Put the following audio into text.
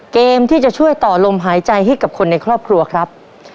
เกมที่จะช่วยต่อลมหายใจให้กับคนในครอบครัวครับ